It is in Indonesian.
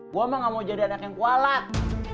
gue emang gak mau jadi anak yang kualat